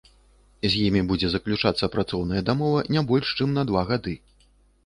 З імі будзе заключацца працоўная дамова не больш, чым на два гады.